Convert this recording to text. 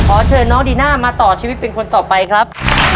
ขอเชิญน้องดีน่ามาต่อชีวิตเป็นคนต่อไปครับ